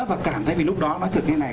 và cảm thấy vì lúc đó nói thử như thế này